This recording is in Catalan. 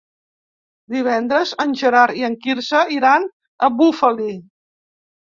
Divendres en Gerard i en Quirze iran a Bufali.